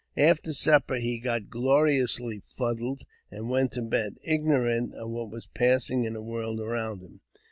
Afte: supper he got gloriously fuddled, and went to bed, ignorant qj what was passing in the world around him.